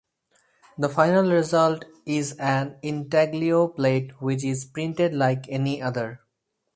The final result is an intaglio plate which is printed like any other.